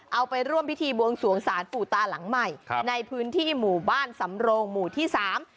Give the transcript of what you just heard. เอาไปร่วมพิธีบวงสวงศาลปู่ตาหลังใหม่ครับในพื้นที่หมู่บ้านสำโรงหมู่ที่สาม